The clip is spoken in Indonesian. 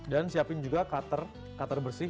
dan siapin juga cutter bersih